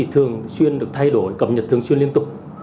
thường xuyên được thay đổi cập nhật thường xuyên liên tục